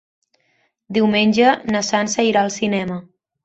Diumenge na Sança irà al cinema.